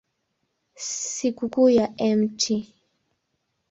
Sikukuu ya Mt.